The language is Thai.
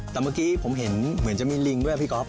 แต่เมื่อกี้ผมเห็นเหมือนจะมีลิงด้วยพี่ก๊อฟ